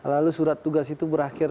lalu surat tugas itu berakhir